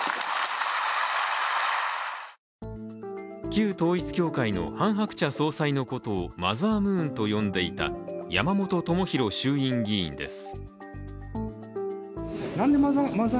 旧統一教会のハン・ハクチャ総裁のことをマザームーンと呼んでいた山本朋広衆院議員です。